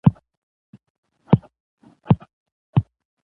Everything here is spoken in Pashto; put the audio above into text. نن هوا ډيره کړه ده